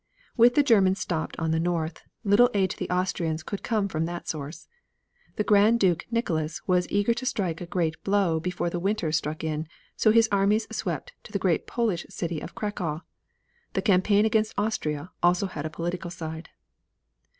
With the Germans stopped on the north, little aid to the Austrians could come from that source. The Grand Duke Nicholas was eager to strike a great blow before the winter struck in, so his armies swept to the great Polish city of Cracow. The campaign against Austria also had a political side.